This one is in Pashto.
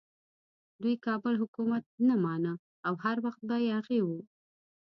دوی د کابل حکومت نه مانه او هر وخت به یاغي وو.